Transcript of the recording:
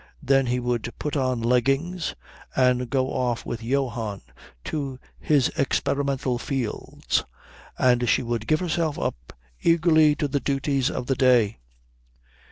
Then he would put on leggings and go off with Johann to his experimental fields, and she would give herself up eagerly to the duties of the day.